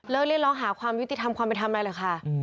เลิกเลื่อนร้องหาความยุติธรรมความไปทำอะไรล่ะค่ะ